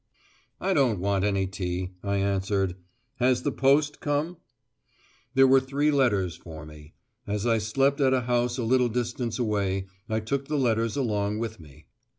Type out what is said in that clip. "I don't want any tea," I answered. "Has the post come?" There were three letters for me. As I slept at a house a little distance away, I took the letters along with me.